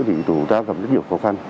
thì tổ ta gặp rất nhiều khó khăn